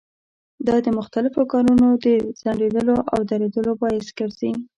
دا د مختلفو کارونو د ځنډېدلو او درېدلو باعث ګرځي.